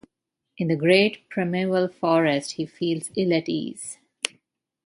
In the great primeval forest he feels ill at ease.